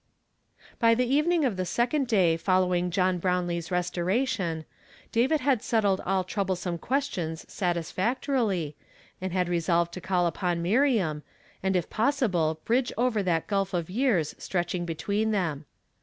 By the evening of the second day following John Brownlee's restoration, David had settled all troublesome questions satisfactorily, and had re solved to call upon Miriam, and if possible bridge over that gulf of years stretching between them.